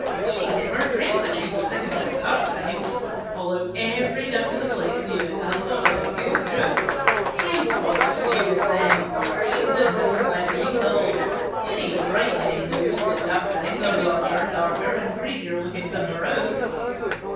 She never dreamed that she was sitting on Ducks' eggs, although every Duck on the place knew it and thought it a good joke. She was a stupid thing, or she would have known without being told. Any bright Hen knows that Ducks' eggs are larger, darker, and greasier looking than her own."